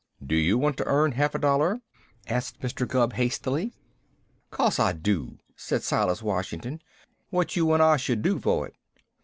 "Do you want to earn half a dollar?" asked Mr. Gubb hastily. "'Co'se Ah do," said Silas Washington. "What you want Ah shu'd do fo' it?"